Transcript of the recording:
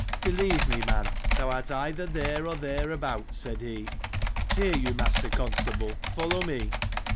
Believe me, man, thou art either there or there abouts, said he. Hear you, Master Constable, fol low me.